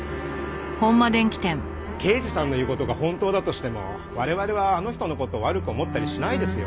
刑事さんの言う事が本当だとしても我々はあの人の事を悪く思ったりしないですよ。